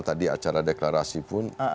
tadi acara deklarasi pun